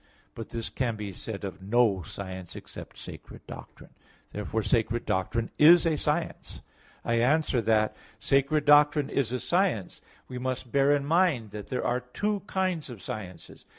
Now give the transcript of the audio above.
But this can be said of no science except sacred doctrine. Therefore sacred doctrine is a science. I answer that, Sacred doctrine is a science. We must bear in mind that there are two kinds of sciences.